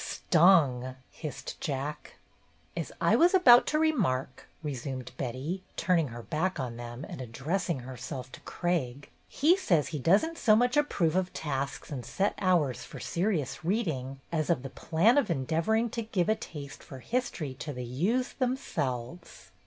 "Stung!" hissed Jack. "As I was about to remark," resumed Betty, turning her back on them and address ing herself to Craig, " he says he does n't so much approve of tasks and set hours for seri ous reading as of the plan of endeavoring to give a taste for history to the youths them selves."